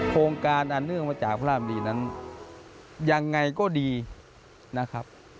โครงการอันเนื่องมาจากพระรามดีนั้นยังไงก็ดีนะครับ